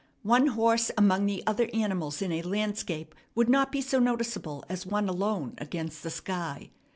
One horse among the other animals in a landscape would not be so noticeable as one alone against the sky.